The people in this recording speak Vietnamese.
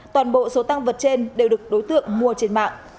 toàn bộ số tăng vật trên đều được đối tượng mua trên mạng